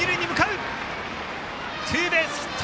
ツーベースヒット！